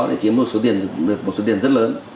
để kiếm được một số tiền rất lớn